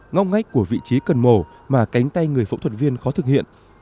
ngóc ngách của vị trí cần mồ mà cánh tay người phẫu thuật viên khó thực hiện